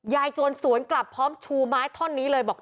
จวนสวนกลับพร้อมชูไม้ท่อนนี้เลยบอก